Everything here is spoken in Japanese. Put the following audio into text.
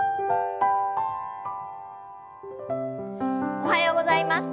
おはようございます。